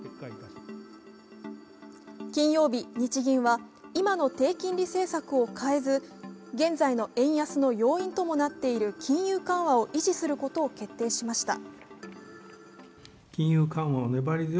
金曜日、日銀は、今の低金利政策を変えず現在の円安の要因ともなっている金融緩和を維持することを決定しました。